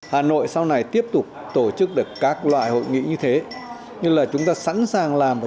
hà nội sau này tiếp tục tổ chức được các loại hội nghị như thế nên là chúng ta sẵn sàng làm